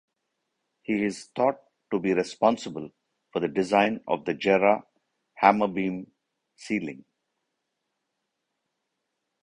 He is thought to be responsible for the design of the Jarrah hammerbeam ceiling.